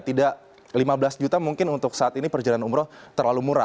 tidak lima belas juta mungkin untuk saat ini perjalanan umroh terlalu murah